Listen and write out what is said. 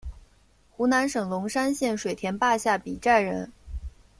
湖南省龙山县水田坝下比寨人。